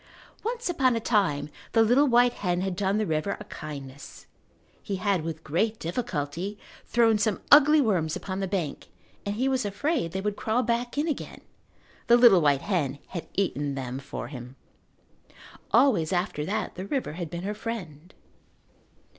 Once upon a time the little white hen had done the river a kindness. He had, with great difficulty, thrown some ugly worms upon the bank and he was afraid they would crawl back in again. The little white hen had eaten them for him. Always after that the river had been her friend.